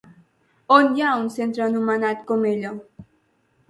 On hi ha un centre anomenat com ella?